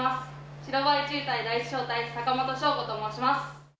白バイ中隊第一小隊、坂元昭子と申します。